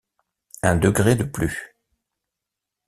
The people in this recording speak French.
un degré de plus.